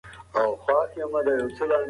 دا هرمونونه د وینې فشار کنټرولوي.